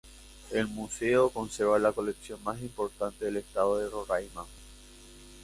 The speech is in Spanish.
El museo conserva la colección más importante del estado de Roraima.